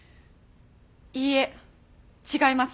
いいえ違います。